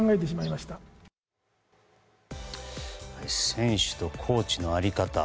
選手とコーチの在り方。